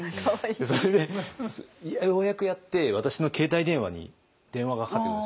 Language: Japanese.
それでようやくやって私の携帯電話に電話がかかってくるんですよ。